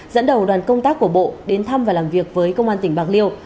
dẫn đầu đoàn công tác của bộ đến thăm và làm việc với công an tỉnh bạc liêu